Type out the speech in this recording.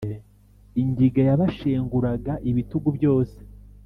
ingiga yabashenguraga ibitugu byose